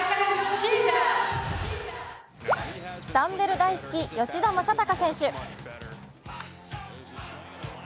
ダンベル大好き、吉田正尚選手。